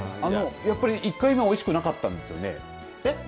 やっぱり１回目はおいしくなかったんですよね。